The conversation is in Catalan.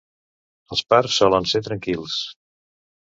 Els parts solen ser tranquils.